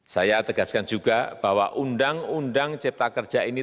saya tegaskan juga bahwa undang undang cipta kerja ini